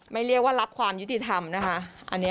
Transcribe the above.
ไม่เรียกว่ารับความยุติธรรมนะคะอันนี้